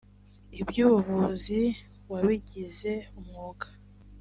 iby’ubuvuzi wabigize umwuga